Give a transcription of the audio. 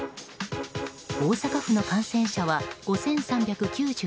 大阪府の感染者は５３９６人。